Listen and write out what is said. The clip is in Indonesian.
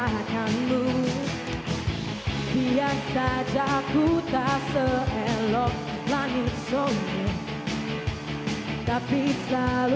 tetapi terima kasih